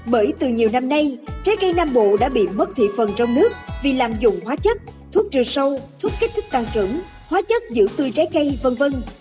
bởi từ nhiều năm nay trái cây nam bộ đã bị mất thị phần trong nước vì làm dùng hóa chất thuốc trừ sâu thuốc kích thức tăng trưởng hóa chất giữ tươi trái cây v v